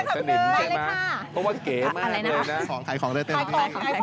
สนิม